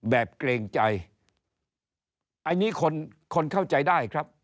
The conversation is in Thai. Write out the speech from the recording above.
เกรงใจอันนี้คนคนเข้าใจได้ครับ